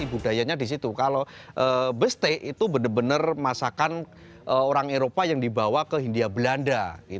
budayanya di situ kalau beste itu benar benar masakan orang eropa yang dibawa ke hindia belanda